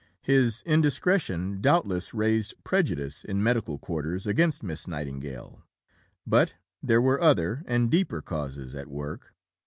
His indiscretion doubtless raised prejudice in medical quarters against Miss Nightingale; but there were other and deeper causes at work.